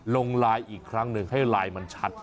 ลลายอีกครั้งนึงให้ลายมันชัด